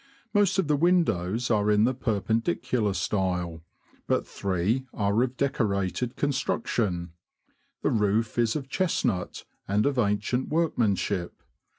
Most of the windows are in the Perpendicular style, but three are of Decorated construction. The roof is of chestnut, and of ancient workmanship.